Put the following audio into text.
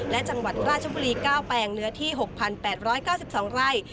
และจังหวัดราชบุรี๙แปลงเนื้อที่๖๘๙๒ไร่